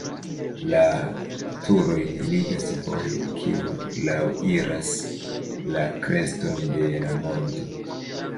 La turojn ligas vojo, kiu laŭiras la kreston de la monto.